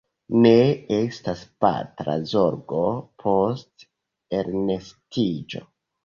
Ne estas patra zorgo post elnestiĝo.